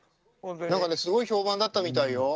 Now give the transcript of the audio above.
何かねすごい評判だったみたいよ。